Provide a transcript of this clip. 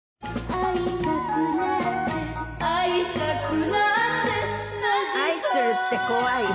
「逢いたくなって逢いたくなって」『愛するってこわい』。